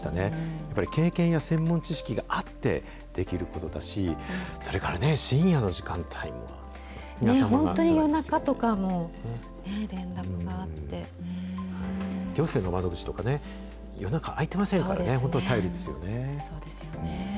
やっぱり経験や専門知識があってできることだし、それからね、深本当に夜中とかも、連絡があ行政の窓口とかね、夜中開いてませんからね、本当、頼りですよね。